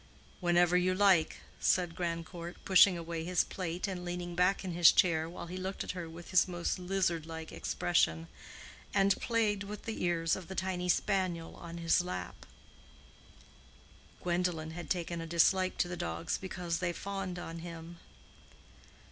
"Whenever you like," said Grandcourt, pushing away his plate, and leaning back in his chair while he looked at her with his most lizard like expression and, played with the ears of the tiny spaniel on his lap (Gwendolen had taken a dislike to the dogs because they fawned on him).